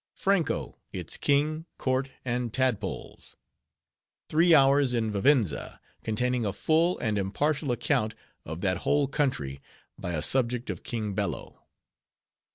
"Franko: its King, Court, and Tadpoles." "Three Hours in Vivenza, containing a Full and Impartial Account of that Whole Country: by a Subject of King Bello."